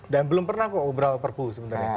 dan belum pernah kok obrol perpu sebenarnya